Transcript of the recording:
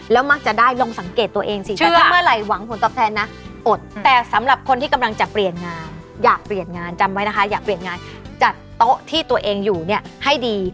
แล้วมักจะได้ลองสังเกตตัวเองสิ